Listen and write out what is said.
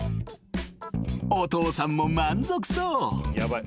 ［お父さんも満足そう］